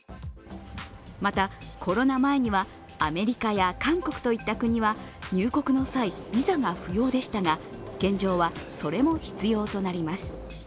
またコロナ前には、アメリカや韓国といった国は入国の際ビザが不要でしたが、現状はそれも必要となります。